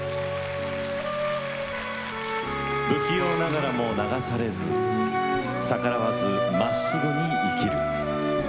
不器用ながらも流されず逆らわずまっすぐに生きる。